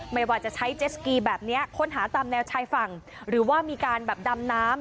ไม่ว่าจะใช้เจสกีแบบนี้ค้นหาตามแนวชายฝั่งหรือว่ามีการแบบดำน้ำ